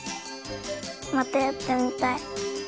またやってみたい。